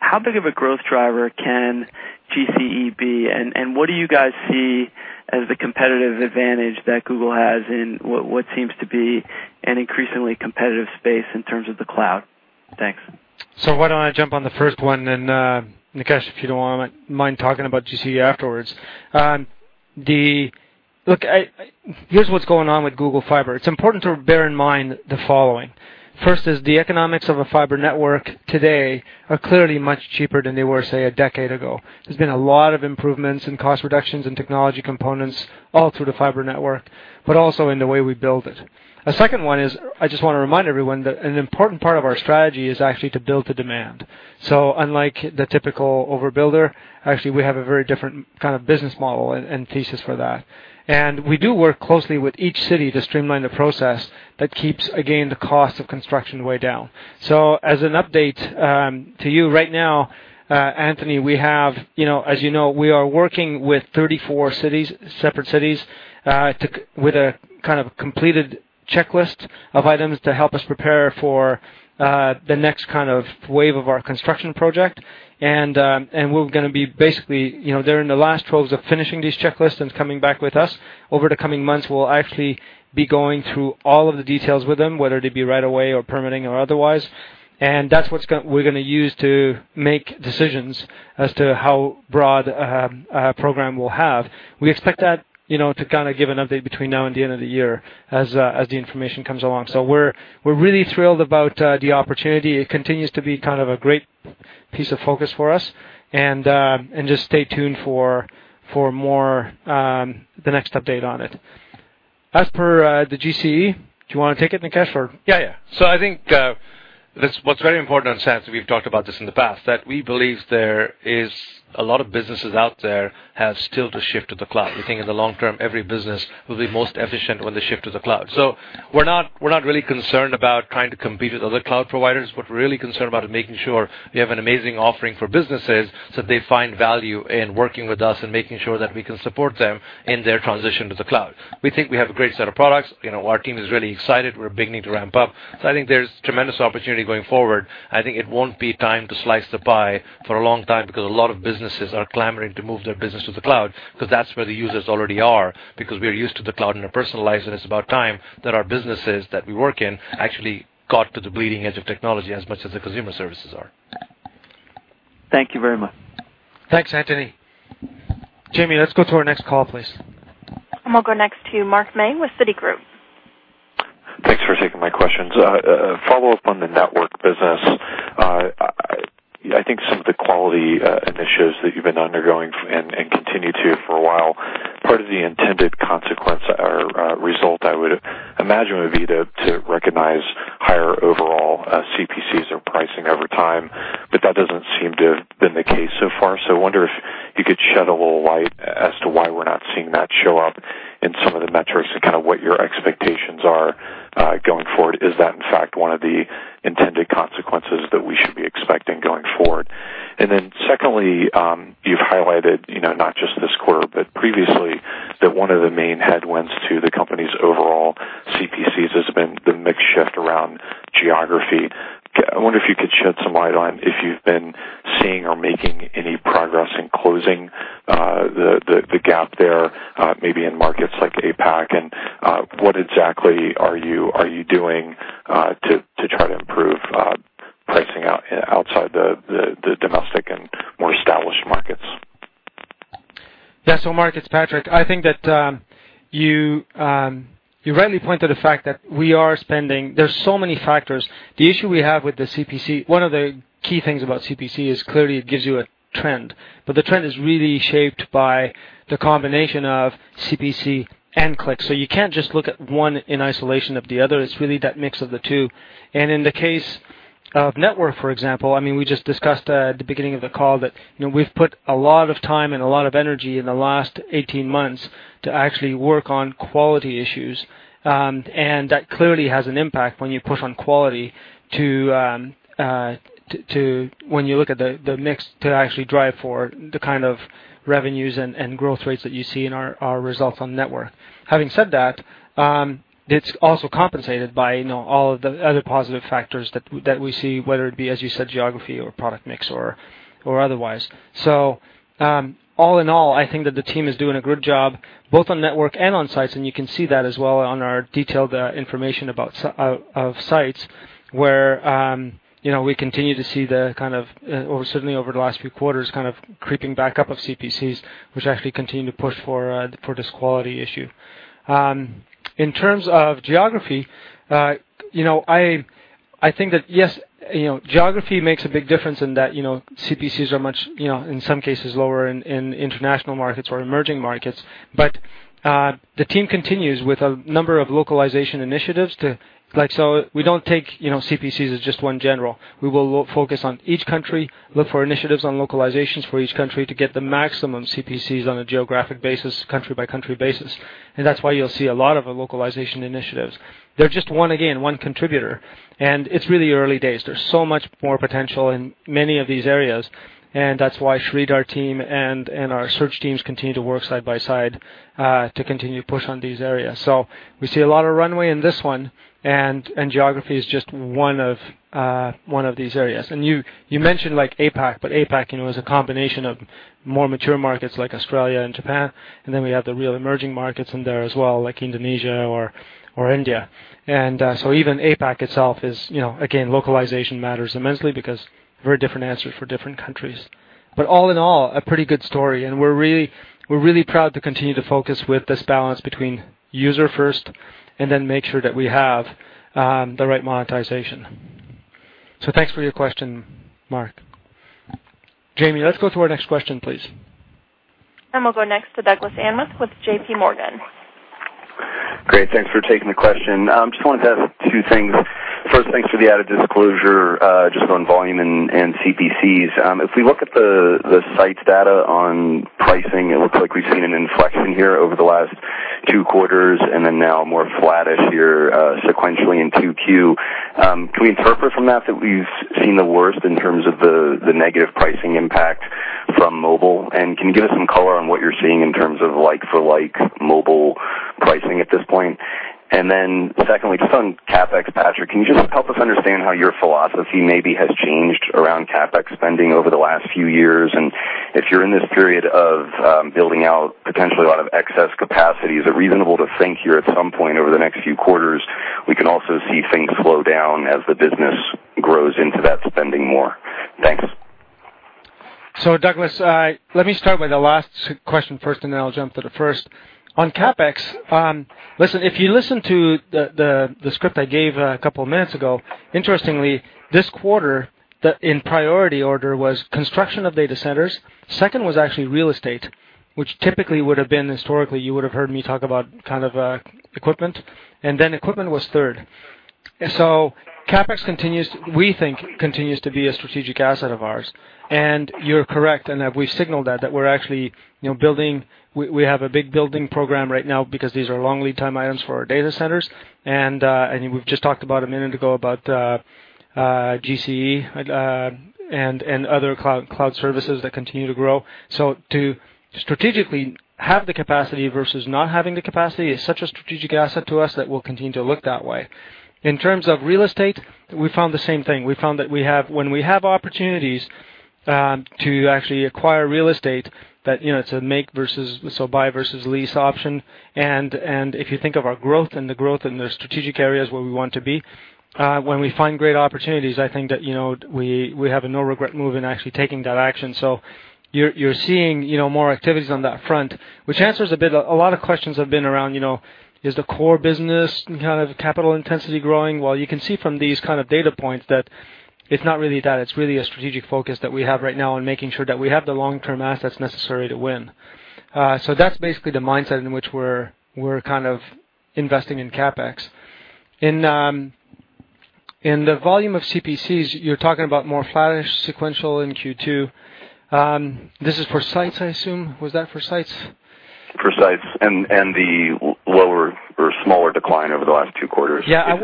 How big of a growth driver can GCE be? And what do you guys see as the competitive advantage that Google has in what seems to be an increasingly competitive space in terms of the cloud? Thanks. So why don't I jump on the first one? And Nikesh, if you don't mind talking about GCE afterwards. Look, here's what's going on with Google Fiber. It's important to bear in mind the following. First is the economics of a fiber network today are clearly much cheaper than they were, say, a decade ago. There's been a lot of improvements and cost reductions and technology components all through the fiber network, but also in the way we build it. A second one is I just want to remind everyone that an important part of our strategy is actually to build the demand. So unlike the typical overbuilder, actually, we have a very different kind of business model and thesis for that. And we do work closely with each city to streamline the process that keeps, again, the cost of construction way down. As an update to you, right now, Anthony, we have, as you know, we are working with 34 cities, separate cities, with a kind of completed checklist of items to help us prepare for the next kind of wave of our construction project. We're going to be basically during the last 12 months of finishing these checklists and coming back with us. Over the coming months, we'll actually be going through all of the details with them, whether they be right-of-way or permitting or otherwise. That's what we're going to use to make decisions as to how broad a program we'll have. We expect that to kind of give an update between now and the end of the year as the information comes along. We're really thrilled about the opportunity. It continues to be kind of a great piece of focus for us. And just stay tuned for more of the next update on it. As per the GCE, do you want to take it, Nikesh, or? Yeah, yeah. So I think what's very important on the stance, and we've talked about this in the past, that we believe there is a lot of businesses out there have still to shift to the cloud. We think in the long term, every business will be most efficient when they shift to the cloud. So we're not really concerned about trying to compete with other cloud providers. What we're really concerned about is making sure we have an amazing offering for businesses so that they find value in working with us and making sure that we can support them in their transition to the cloud. We think we have a great set of products. Our team is really excited. We're beginning to ramp up. So I think there's tremendous opportunity going forward. I think it won't be time to slice the pie for a long time because a lot of businesses are clamoring to move their business to the cloud because that's where the users already are. Because we are used to the cloud and our personalized, and it's about time that our businesses that we work in actually got to the bleeding edge of technology as much as the consumer services are. Thank you very much. Thanks, Anthony. Jamie, let's go to our next call, please. We'll go next to Mark May with Citigroup. Thanks for taking my questions. Follow up on the Network business. I think some of the quality initiatives that you've been undergoing and continue to for a while, part of the intended consequence or result I would imagine would be to recognize higher overall CPCs or pricing over time. But that doesn't seem to have been the case so far. So I wonder if you could shed a little light as to why we're not seeing that show up in some of the metrics and kind of what your expectations are going forward. Is that, in fact, one of the intended consequences that we should be expecting going forward? And then secondly, you've highlighted not just this quarter, but previously, that one of the main headwinds to the company's overall CPCs has been the mixed shift around geography. I wonder if you could shed some light on if you've been seeing or making any progress in closing the gap there, maybe in markets like APAC. And what exactly are you doing to try to improve pricing outside the domestic and more established markets? Yeah, so markets, Patrick, I think that you rightly point to the fact that we are spending. There's so many factors. The issue we have with the CPC, one of the key things about CPC is clearly it gives you a trend. But the trend is really shaped by the combination of CPC and clicks. So you can't just look at one in isolation of the other. It's really that mix of the two. And in the case of Network, for example, I mean, we just discussed at the beginning of the call that we've put a lot of time and a lot of energy in the last 18 months to actually work on quality issues. And that clearly has an impact when you push on quality to when you look at the mix to actually drive forward the kind of revenues and growth rates that you see in our results on Network. Having said that, it's also compensated by all of the other positive factors that we see, whether it be, as you said, geography or product mix or otherwise. So all in all, I think that the team is doing a good job both on network and on sites. And you can see that as well on our detailed information about sites, where we continue to see the kind of, certainly over the last few quarters, kind of creeping back up of CPCs, which actually continue to push for this quality issue. In terms of geography, I think that, yes, geography makes a big difference in that CPCs are much, in some cases, lower in international markets or emerging markets. But the team continues with a number of localization initiatives. So we don't take CPCs as just one general. We will focus on each country, look for initiatives on localizations for each country to get the maximum CPCs on a geographic basis, country-by-country basis. And that's why you'll see a lot of localization initiatives. They're just, again, one contributor. And it's really early days. There's so much more potential in many of these areas. And that's why Sridhar, our team, and our search teams continue to work side by side to continue to push on these areas. So we see a lot of runway in this one. And geography is just one of these areas. And you mentioned APAC, but APAC is a combination of more mature markets like Australia and Japan. And then we have the real emerging markets in there as well, like Indonesia or India. And so even APAC itself is, again, localization matters immensely because very different answers for different countries. But all in all, a pretty good story. And we're really proud to continue to focus with this balance between user-first and then make sure that we have the right monetization. So thanks for your question, Mark. Jamie, let's go to our next question, please. We'll go next to Douglas Anmuth with JPMorgan. Great. Thanks for taking the question. Just wanted to ask two things. First, thanks for the added disclosure just on volume and CPCs. If we look at the site data on pricing, it looks like we've seen an inflection here over the last two quarters and then now more flattish here sequentially in Q2. Can we interpret from that that we've seen the worst in terms of the negative pricing impact from mobile? And can you give us some color on what you're seeing in terms of like-for-like mobile pricing at this point? And then secondly, just on CapEx, Patrick, can you just help us understand how your philosophy maybe has changed around CapEx spending over the last few years? If you're in this period of building out potentially a lot of excess capacity, is it reasonable to think here at some point over the next few quarters we can also see things slow down as the business grows into that spending more? Thanks. So, Douglas, let me start with the last question first, and then I'll jump to the first. On CapEx, listen, if you listen to the script I gave a couple of minutes ago, interestingly, this quarter, in priority order, was construction of data centers. Second was actually real estate, which typically would have been historically, you would have heard me talk about kind of equipment. And then equipment was third. So CapEx continues, we think, continues to be a strategic asset of ours. And you're correct. And we've signaled that, that we're actually building we have a big building program right now because these are long lead time items for our data centers. And we've just talked about a minute ago about GCE and other cloud services that continue to grow. To strategically have the capacity versus not having the capacity is such a strategic asset to us that we'll continue to look that way. In terms of real estate, we found the same thing. We found that when we have opportunities to actually acquire real estate, that it's a make versus so buy versus lease option. And if you think of our growth and the growth in the strategic areas where we want to be, when we find great opportunities, I think that we have a no-regret move in actually taking that action. So you're seeing more activities on that front, which answers a lot of questions have been around, is the core business kind of capital intensity growing? Well, you can see from these kind of data points that it's not really that. It's really a strategic focus that we have right now on making sure that we have the long-term assets necessary to win. So that's basically the mindset in which we're kind of investing in CapEx. In the volume of CPCs, you're talking about more flattish sequential in Q2. This is for sites, I assume. Was that for sites? For sites and the lower or smaller decline over the last two quarters. Yeah.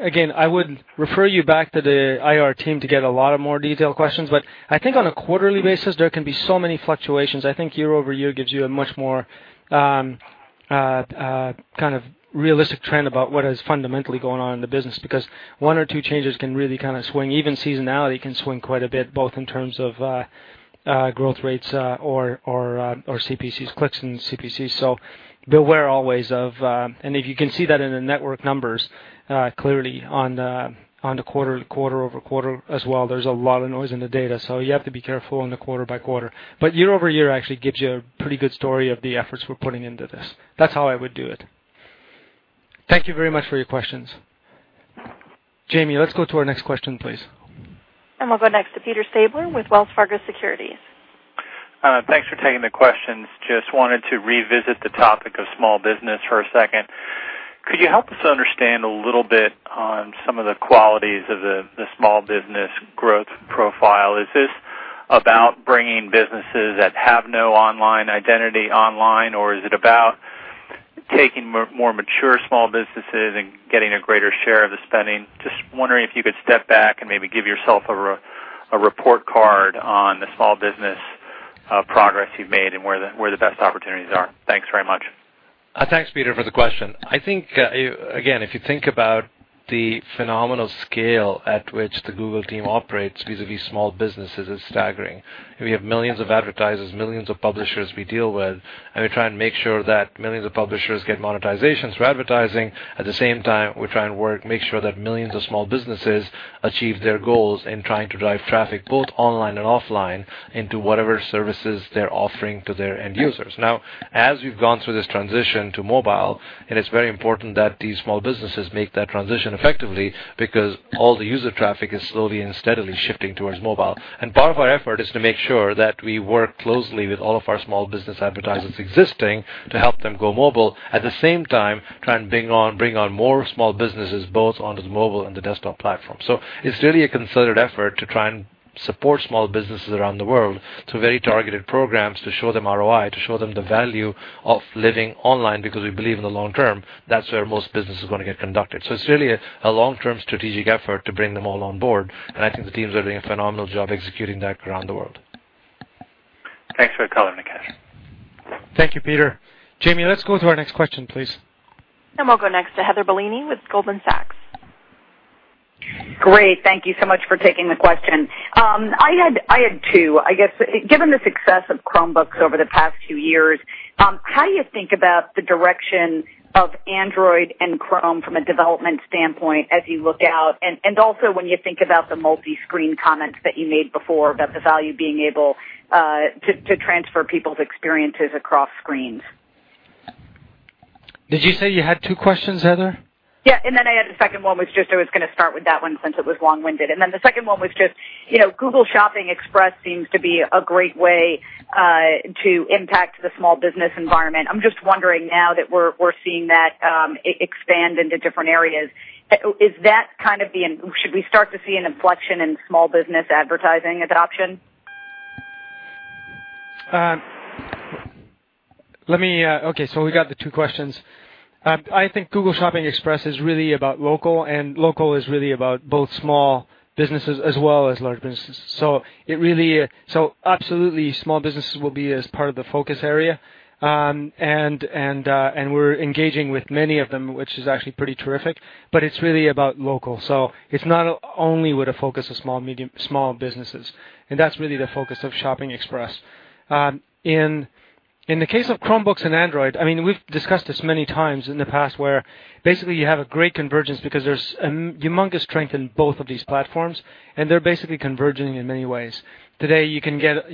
Again, I would refer you back to the IR team to get a lot of more detailed questions. But I think on a quarterly basis, there can be so many fluctuations. I think year over year gives you a much more kind of realistic trend about what is fundamentally going on in the business because one or two changes can really kind of swing. Even seasonality can swing quite a bit, both in terms of growth rates or CPCs, clicks and CPCs. So beware always of, and if you can see that in the network numbers clearly on the quarter to quarter over quarter as well, there's a lot of noise in the data. So you have to be careful on the quarter by quarter. But year over year actually gives you a pretty good story of the efforts we're putting into this. That's how I would do it. Thank you very much for your questions. Jamie, let's go to our next question, please. We'll go next to Peter Stabler with Wells Fargo Securities. Thanks for taking the questions. Just wanted to revisit the topic of small business for a second. Could you help us understand a little bit on some of the qualities of the small business growth profile? Is this about bringing businesses that have no online identity online, or is it about taking more mature small businesses and getting a greater share of the spending? Just wondering if you could step back and maybe give yourself a report card on the small business progress you've made and where the best opportunities are. Thanks very much. Thanks, Peter, for the question. I think, again, if you think about the phenomenal scale at which the Google team operates vis-à-vis small businesses, it's staggering. We have millions of advertisers, millions of publishers we deal with. And we try and make sure that millions of publishers get monetization through advertising. At the same time, we try and make sure that millions of small businesses achieve their goals in trying to drive traffic both online and offline into whatever services they're offering to their end users. Now, as we've gone through this transition to mobile, and it's very important that these small businesses make that transition effectively because all the user traffic is slowly and steadily shifting towards mobile. And part of our effort is to make sure that we work closely with all of our small business advertisers existing to help them go mobile. At the same time, try and bring on more small businesses both onto the mobile and the desktop platform. So it's really a concerted effort to try and support small businesses around the world through very targeted programs to show them ROI, to show them the value of living online, because we believe in the long term, that's where most business is going to get conducted. So it's really a long-term strategic effort to bring them all on board. And I think the teams are doing a phenomenal job executing that around the world. Thanks for the color, Nikesh. Thank you, Peter. Jamie, let's go to our next question, please. We'll go next to Heather Bellini with Goldman Sachs. Great. Thank you so much for taking the question. I had two. I guess, given the success of Chromebooks over the past few years, how do you think about the direction of Android and Chrome from a development standpoint as you look out? And also when you think about the multi-screen comments that you made before about the value being able to transfer people's experiences across screens. Did you say you had two questions, Heather? Yeah. And then I had a second one was just I was going to start with that one since it was long-winded. And then the second one was just Google Shopping Express seems to be a great way to impact the small business environment. I'm just wondering now that we're seeing that expand into different areas. Is that kind of the should we start to see an inflection in small business advertising adoption? Okay, so we got the two questions. I think Google Shopping Express is really about local, and local is really about both small businesses as well as large businesses, so absolutely, small businesses will be as part of the focus area, and we're engaging with many of them, which is actually pretty terrific, but it's really about local, so it's not only with a focus of small businesses, and that's really the focus of Shopping Express. In the case of Chromebooks and Android, I mean, we've discussed this many times in the past where basically you have a great convergence because there's a humongous strength in both of these platforms, and they're basically converging in many ways. Today, you can get,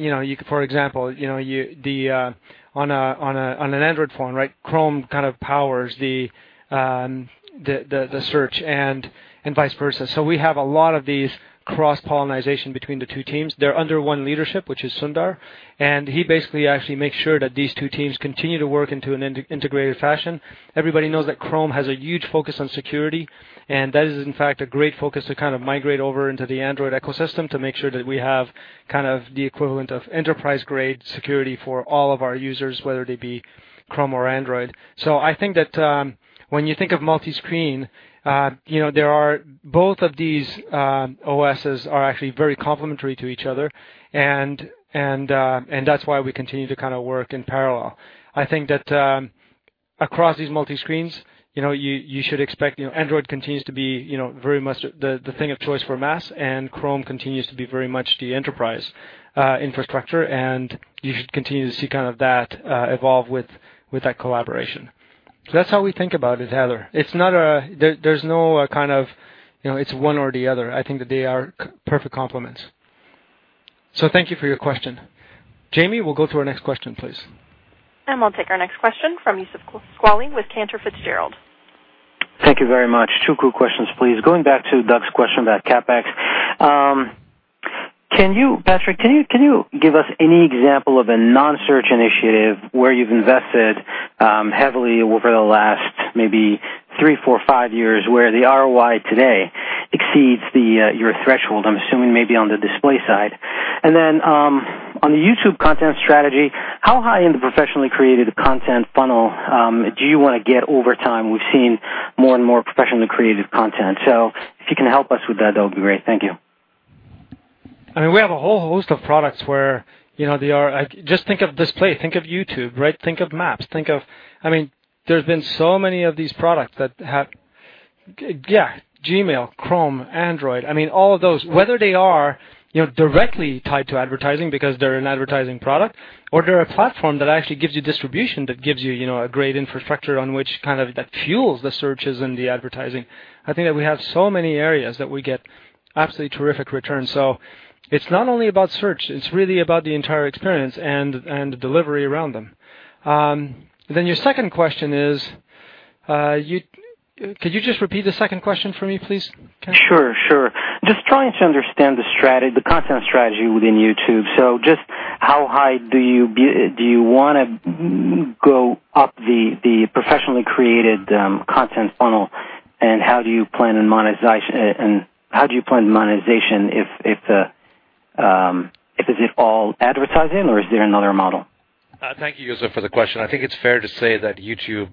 for example, on an Android phone, right, Chrome kind of powers the search and vice versa, so we have a lot of these cross-pollination between the two teams. They're under one leadership, which is Sundar, and he basically actually makes sure that these two teams continue to work into an integrated fashion. Everybody knows that Chrome has a huge focus on security, and that is, in fact, a great focus to kind of migrate over into the Android ecosystem to make sure that we have kind of the equivalent of enterprise-grade security for all of our users, whether they be Chrome or Android. I think that when you think of multi-screen, both of these OSs are actually very complementary to each other, and that's why we continue to kind of work in parallel. I think that across these multi-screens, you should expect Android continues to be very much the thing of choice for mass, and Chrome continues to be very much the enterprise infrastructure. You should continue to see kind of that evolve with that collaboration. So that's how we think about it, Heather. There's no kind of, it's one or the other. I think that they are perfect complements. So thank you for your question. Jamie, we'll go to our next question, please. We'll take our next question from Youssef Squali with Cantor Fitzgerald. Thank you very much. Two quick questions, please. Going back to Doug's question about CapEx. Patrick, can you give us any example of a non-search initiative where you've invested heavily over the last maybe three, four, five years where the ROI today exceeds your threshold? I'm assuming maybe on the Display side. And then on the YouTube content strategy, how high in the professionally created content funnel do you want to get over time? We've seen more and more professionally created content. So if you can help us with that, that would be great. Thank you. I mean, we have a whole host of products where they are just think of Display. Think of YouTube, right? Think of Maps. I mean, there's been so many of these products that have, yeah, Gmail, Chrome, Android. I mean, all of those, whether they are directly tied to advertising because they're an advertising product or they're a platform that actually gives you distribution that gives you a great infrastructure on which kind of that fuels the searches and the advertising. I think that we have so many areas that we get absolutely terrific returns. So it's not only about search. It's really about the entire experience and delivery around them. Then your second question is, could you just repeat the second question for me, please? Sure, sure. Just trying to understand the content strategy within YouTube. So just how high do you want to go up the professionally created content funnel? And how do you plan and monetize? And how do you plan monetization? Is it all advertising, or is there another model? Thank you, Youssef, for the question. I think it's fair to say that YouTube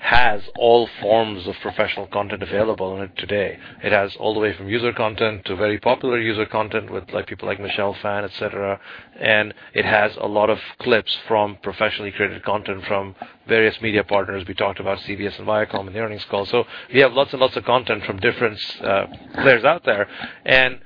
has all forms of professional content available on it today. It has all the way from user content to very popular user content with people like Michelle Phan, etc., and it has a lot of clips from professionally created content from various media partners. We talked about CBS and Viacom in the earnings call, so we have lots and lots of content from different players out there, and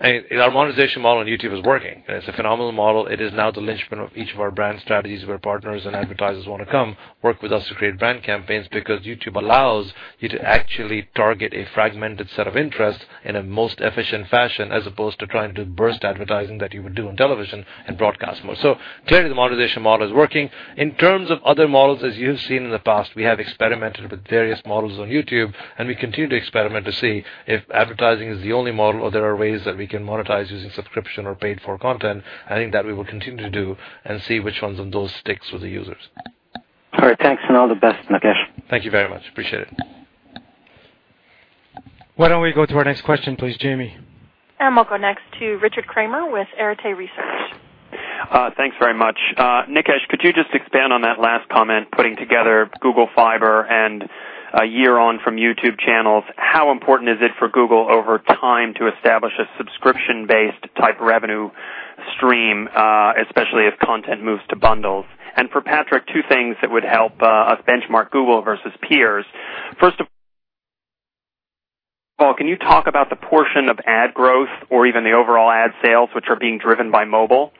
our monetization model on YouTube is working. It's a phenomenal model. It is now the linchpin of each of our brand strategies where partners and advertisers want to come work with us to create brand campaigns because YouTube allows you to actually target a fragmented set of interests in a most efficient fashion as opposed to trying to burst advertising that you would do on television and broadcast more, so clearly, the monetization model is working. In terms of other models, as you've seen in the past, we have experimented with various models on YouTube, and we continue to experiment to see if advertising is the only model or there are ways that we can monetize using subscription or paid-for content. I think that we will continue to do and see which ones of those stick with the users. All right. Thanks. And all the best, Nikesh. Thank you very much. Appreciate it. Why don't we go to our next question, please, Jamie? We'll go next to Richard Kramer with Arete Research. Thanks very much. Nikesh, could you just expand on that last comment, putting together Google Fiber and year-on-year from YouTube channels? How important is it for Google over time to establish a subscription-based type revenue stream, especially if content moves to bundles? And for Patrick, two things that would help us benchmark Google versus peers. First of all, can you talk about the portion of ad growth or even the overall ad sales which are being driven by mobile?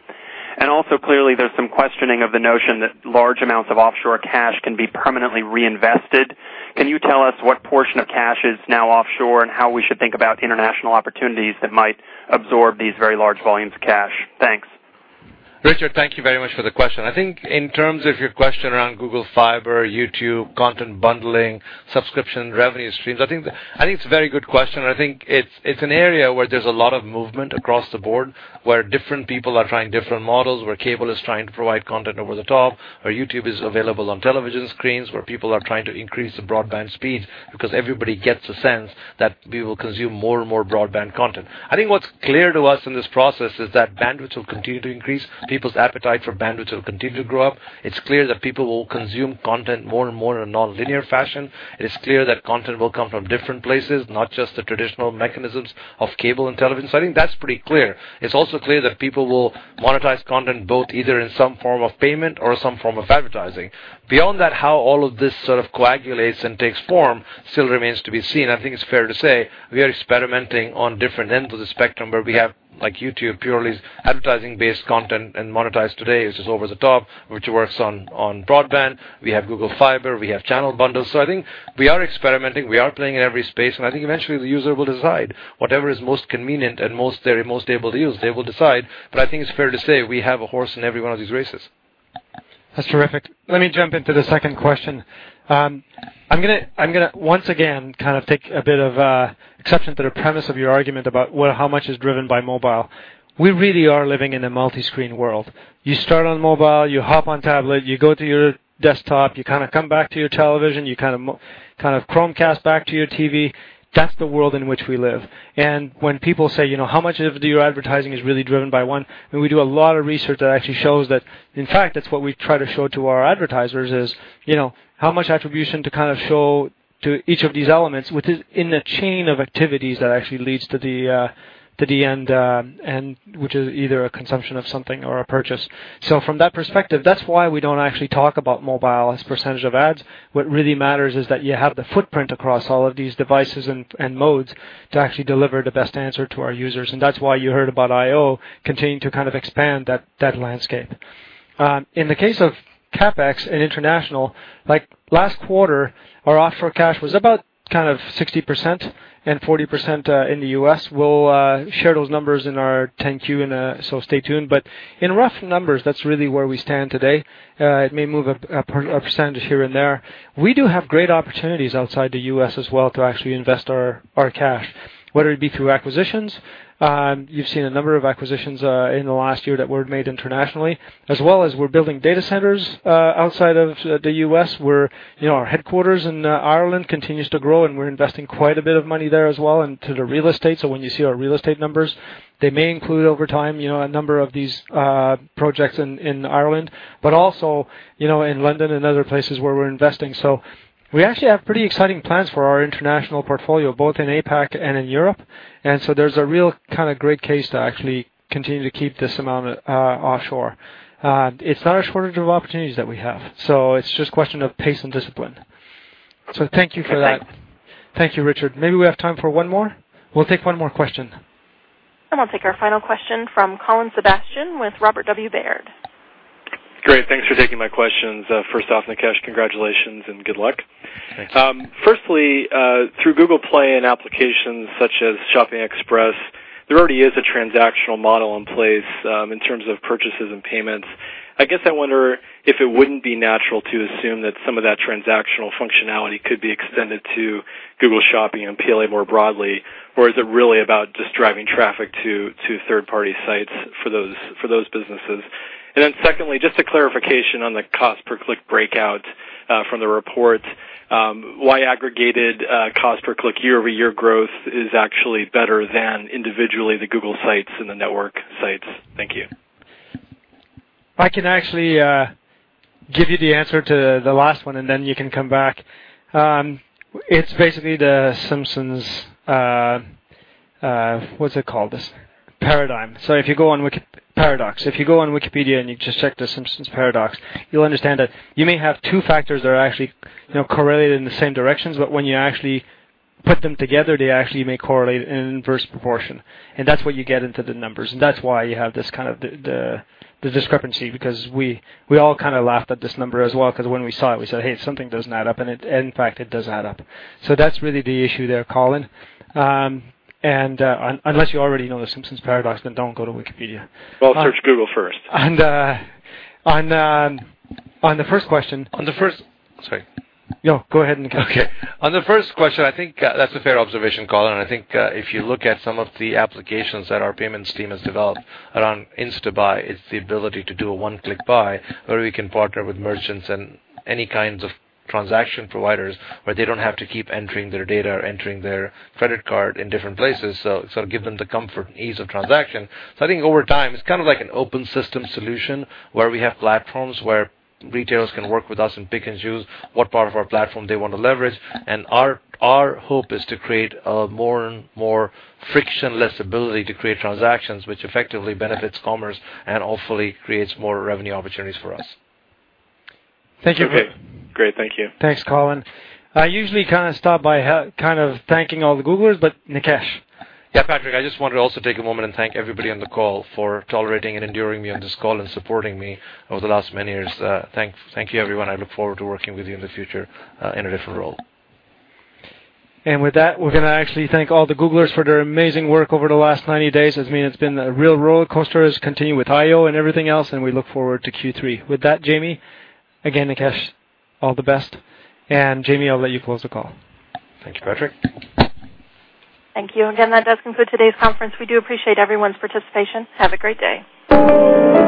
And also, clearly, there's some questioning of the notion that large amounts of offshore cash can be permanently reinvested. Can you tell us what portion of cash is now offshore and how we should think about international opportunities that might absorb these very large volumes of cash? Thanks. Richard, thank you very much for the question. I think in terms of your question around Google Fiber, YouTube, content bundling, subscription revenue streams, I think it's a very good question. I think it's an area where there's a lot of movement across the board where different people are trying different models, where cable is trying to provide content over the top, where YouTube is available on television screens, where people are trying to increase the broadband speeds because everybody gets a sense that we will consume more and more broadband content. I think what's clear to us in this process is that bandwidth will continue to increase. People's appetite for bandwidth will continue to grow up. It's clear that people will consume content more and more in a non-linear fashion. It is clear that content will come from different places, not just the traditional mechanisms of cable and television. So I think that's pretty clear. It's also clear that people will monetize content both either in some form of payment or some form of advertising. Beyond that, how all of this sort of coagulates and takes form still remains to be seen. I think it's fair to say we are experimenting on different ends of the spectrum where we have YouTube purely advertising-based content and monetized today, which is over the top, which works on broadband. We have Google Fiber. We have channel bundles. So I think we are experimenting. We are playing in every space. And I think eventually the user will decide whatever is most convenient and most able to use. They will decide. But I think it's fair to say we have a horse in every one of these races. That's terrific. Let me jump into the second question. I'm going to once again kind of take a bit of exception to the premise of your argument about how much is driven by mobile. We really are living in a multi-screen world. You start on mobile, you hop on tablet, you go to your desktop, you kind of come back to your television, you kind of Chromecast back to your TV. That's the world in which we live. And when people say, "How much of your advertising is really driven by one?" I mean, we do a lot of research that actually shows that, in fact, that's what we try to show to our advertisers is how much attribution to kind of show to each of these elements within a chain of activities that actually leads to the end, which is either a consumption of something or a purchase. From that perspective, that's why we don't actually talk about mobile as percentage of ads. What really matters is that you have the footprint across all of these devices and modes to actually deliver the best answer to our users. And that's why you heard about I/O continuing to kind of expand that landscape. In the case of CapEx and international, last quarter, our offshore cash was about kind of 60% and 40% in the US. We'll share those numbers in our 10-Q, so stay tuned. But in rough numbers, that's really where we stand today. It may move a percentage here and there. We do have great opportunities outside the US as well to actually invest our cash, whether it be through acquisitions. You've seen a number of acquisitions in the last year that were made internationally, as well as we're building data centers outside of the U.S. where our headquarters in Ireland continues to grow, and we're investing quite a bit of money there as well into the real estate, so when you see our real estate numbers, they may include over time a number of these projects in Ireland, but also in London and other places where we're investing, so we actually have pretty exciting plans for our international portfolio, both in APAC and in Europe, and so there's a real kind of great case to actually continue to keep this amount offshore. It's not a shortage of opportunities that we have, so it's just a question of pace and discipline, so thank you for that. Thank you, Richard. Maybe we have time for one more. We'll take one more question. We'll take our final question from Colin Sebastian with Robert W. Baird. Great. Thanks for taking my questions. First off, Nikesh, congratulations and good luck. Firstly, through Google Play and applications such as Shopping Express, there already is a transactional model in place in terms of purchases and payments. I guess I wonder if it wouldn't be natural to assume that some of that transactional functionality could be extended to Google Shopping and PLA more broadly, or is it really about just driving traffic to third-party sites for those businesses? And then secondly, just a clarification on the cost per click breakout from the report. Why aggregated cost per click year-over-year growth is actually better than individually the Google Sites and the Network Sites? Thank you. I can actually give you the answer to the last one, and then you can come back. It's basically the Simpson's paradox. If you go on Wikipedia and you just check the Simpson's paradox, you'll understand that you may have two factors that are actually correlated in the same directions. But when you actually put them together, they actually may correlate in inverse proportion. That's what you get into the numbers. That's why you have this kind of discrepancy, because we all kind of laughed at this number as well because when we saw it, we said, "Hey, something doesn't add up." In fact, it does add up. That's really the issue there, Colin. Unless you already know the Simpson's paradox, then don't go to Wikipedia. Search Google first. On the first question. On the first. Sorry. No, go ahead, Nikesh. Okay. On the first question, I think that's a fair observation, Colin. I think if you look at some of the applications that our payments team has developed around Instant Buy, it's the ability to do a one-click buy, where we can partner with merchants and any kinds of transaction providers where they don't have to keep entering their data or entering their credit card in different places. So it's going to give them the comfort and ease of transaction. So I think over time, it's kind of like an open system solution where we have platforms where retailers can work with us and pick and choose what part of our platform they want to leverage. And our hope is to create a more and more frictionless ability to create transactions, which effectively benefits commerce and hopefully creates more revenue opportunities for us. Thank you, Chris. Okay. Great. Thank you. Thanks, Colin. I usually kind of stop by thanking all the Googlers, but Nikesh. Yeah, Patrick, I just wanted to also take a moment and thank everybody on the call for tolerating and enduring me on this call and supporting me over the last many years. Thank you, everyone. I look forward to working with you in the future in a different role. With that, we're going to actually thank all the Googlers for their amazing work over the last 90 days. I mean, it's been a real roller coaster to continue with I/O and everything else. We look forward to Q3. With that, Jamie, again, Nikesh, all the best. Jamie, I'll let you close the call. Thank you, Patrick. Thank you. Again, that does conclude today's conference. We do appreciate everyone's participation. Have a great day.